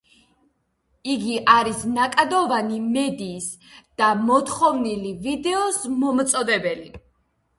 იგი არის ნაკადოვანი მედიის და მოთხოვნილი ვიდეოს მიმწოდებელი.